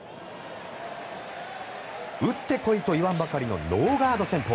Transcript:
打ってこいといわんばかりのノーガード戦法。